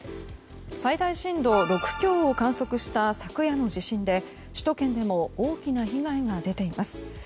最大震度６強を観測した昨夜の地震で首都圏でも大きな被害が出ています。